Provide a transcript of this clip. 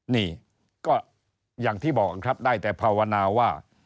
นี่ก็อย่างที่บอกครับได้แต่ภาวนาว่า